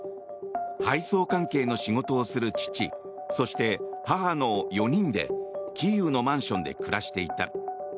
配送関係の仕事をする父そして母の４人でキーウのマンションで暮らしていた。